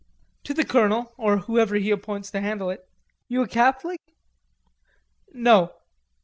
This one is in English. "To the colonel, or whoever he appoints to handle it. You a Catholic?" "No."